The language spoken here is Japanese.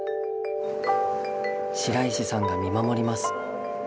白石さんが見守ります。